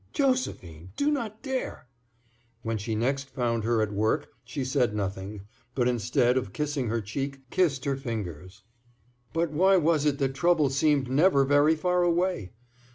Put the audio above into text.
"Josephine, do not dare!" When she next found her at work she said nothing, but instead of kissing her cheek, kissed her fingers. But why was it that trouble seemed never very far away?